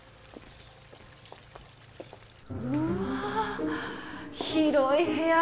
うわあ広い部屋！